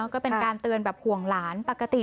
คุณผู้สายรุ่งมโสผีอายุ๔๒ปี